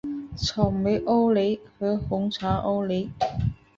草莓欧蕾和红茶欧蕾